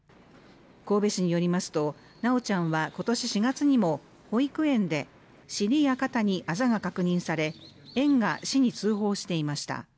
神戸市によりますと、修ちゃんは今年４月にも、保育園で尻や肩にあざが確認され、園が市に通報していました。